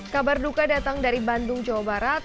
kabar duka datang dari bandung jawa barat